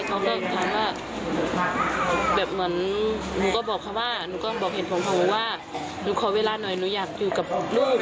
เขาก็ถามว่าแบบเหมือนหนูก็บอกเขาว่าหนูก็บอกเหตุผลของหนูว่าหนูขอเวลาหน่อยหนูอยากอยู่กับลูก